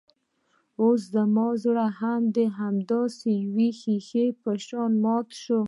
اوس زما زړه هم د همداسې يوې ښيښې په شان مات شوی.